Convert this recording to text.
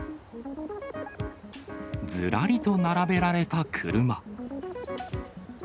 ずらりと並べられた車。